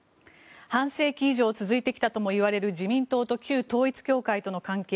半世紀以上続いてきたともいわれる自民党と旧統一教会との関係。